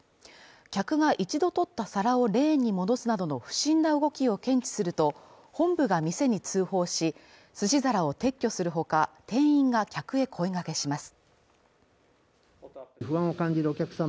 客が一度取った皿をレーンに戻すなどの不審な動きを検知すると、本部が店に通報し、寿司皿を撤去する他、店員が客へ声掛けします。